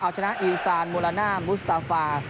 เอาชนะอิริซานมูลานามูสตาฟา